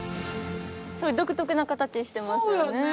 独特な形してますよね。